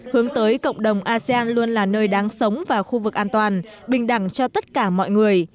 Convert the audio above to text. hướng tới cộng đồng asean luôn là nơi đáng sống và khu vực an toàn bình đẳng cho tất cả mọi người